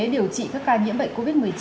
điều trị các ca nhiễm bệnh covid một mươi chín